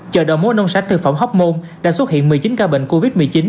chợ đồ mối nông sản thực phẩm hoc mon đã xuất hiện một mươi chín ca bệnh covid một mươi chín